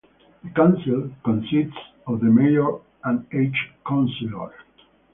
The council consists of the mayor and eight councillors.